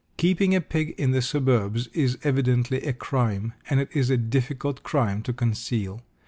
Keeping a pig in the suburbs is evidently a crime, and it is a difficult crime to conceal.